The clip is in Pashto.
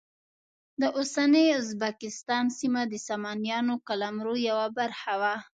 د اوسني ازبکستان سیمه د سامانیانو قلمرو یوه برخه وه.